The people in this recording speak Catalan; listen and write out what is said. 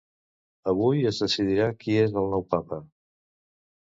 Avui es decidirà qui és el nou Papa.